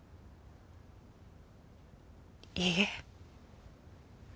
いいえ。